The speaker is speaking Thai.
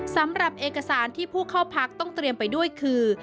สำหรับเอกสารที่ผู้เข้าพักต้องเตรียมไปด้วยคือ